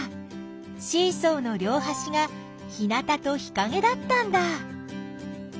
シーソーのりょうはしが日なたと日かげだったんだ。